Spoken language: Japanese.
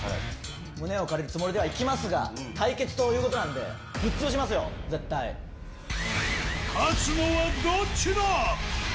胸を借りるつもりではいきますが、対決ということなんで、ぶっ潰し勝つのはどっちだ。